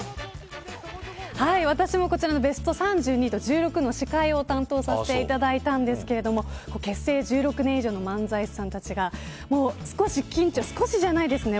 私もこちらのベスト３２と１６の司会を担当させていただいたんですけど結成１６年以上の漫才師さんたちが少しじゃないですね。